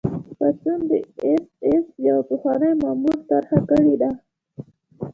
پاڅون د اېس ایس یوه پخواني مامور طرح کړی دی